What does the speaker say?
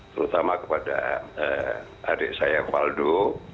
terutama kepada adik saya faldo